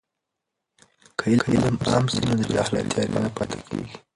که علم عام سي نو د جهالت تیارې نه پاتې کېږي.